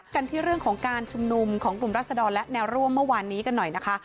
กันที่เรื่องของการชุมนุมของกลุ่มรัศดรและแนวร่วมเมื่อวานนี้กันหน่อยนะคะ